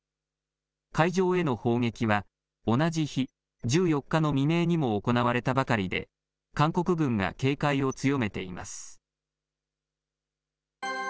海上への砲撃は、同じ日、１４日の未明にも行われたばかりで、韓国軍が警戒を強めています。